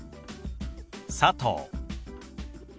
「佐藤」。